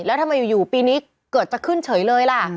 แล้วทำไมอยู่ปีนี้เกิดจะขึ้นเฉยเลยล่ะ